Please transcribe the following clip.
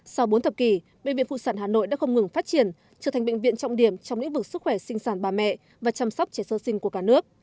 sau bốn thập kỷ bệnh viện phụ sản hà nội đã không ngừng phát triển trở thành bệnh viện trọng điểm trong lĩnh vực sức khỏe sinh sản bà mẹ và chăm sóc trẻ sơ sinh của cả nước